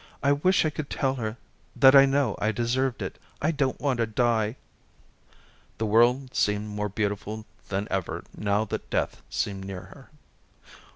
I wish I could tell her that I know I deserved it. I don't want to die." The world seemed more beautiful than ever now that death seemed near her.